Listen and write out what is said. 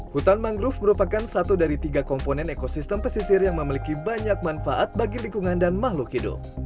hutan mangrove merupakan satu dari tiga komponen ekosistem pesisir yang memiliki banyak manfaat bagi lingkungan dan makhluk hidup